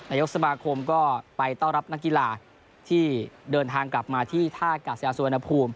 ยกสมาคมก็ไปต้อนรับนักกีฬาที่เดินทางกลับมาที่ท่ากาศยาสุวรรณภูมิ